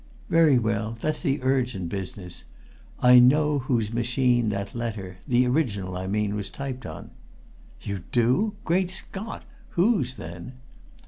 "Very well that's the urgent business. I know whose machine that letter the original, I mean was typed on!" "You do? Great Scott! Whose, then?"